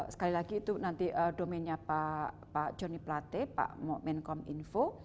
sekali lagi itu nanti domainnya pak ceni platy pak menkom info